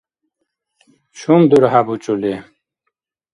Чум дурхӏя бучӏули?